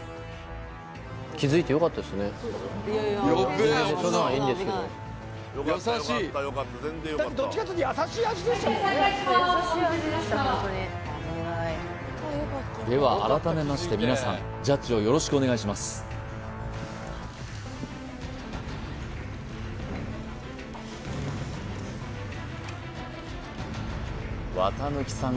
全然そんなのはいいんですけどでは改めまして皆さんジャッジをよろしくお願いします綿貫さん